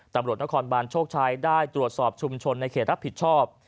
ตำรวจนครบานโชคชัยได้ตรวจสอบชุมชนในเขตรับผิดชอบ